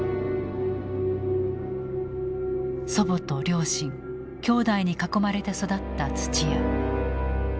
祖母と両親兄弟に囲まれて育った土屋。